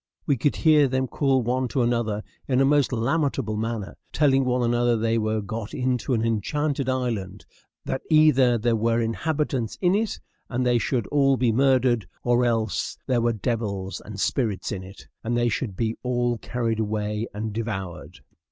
We could hear them call one to another in a most lamentable manner, telling one another they were got into an enchanted island; that either there were inhabitants in it, and they should all be murdered, or else there were devils and spirits in it, and they should be all carried away and devoured.